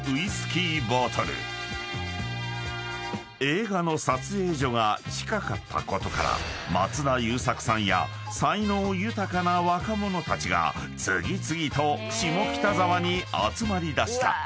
［映画の撮影所が近かったことから松田優作さんや才能豊かな若者たちが次々と下北沢に集まりだした］